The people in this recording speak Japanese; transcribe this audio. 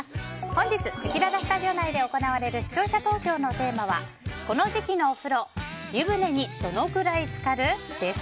本日せきららスタジオ内で行われる、視聴者投票のテーマはこの時期のお風呂湯船にどのくらいつかる？です。